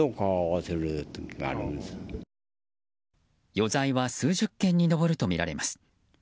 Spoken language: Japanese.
余罪は数十件に上るとみられます。